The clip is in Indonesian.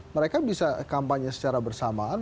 mereka bisa kampanye secara bersamaan